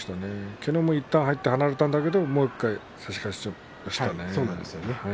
昨日もいったん入って離れたんだけれどももう１回、差し替えしましたね。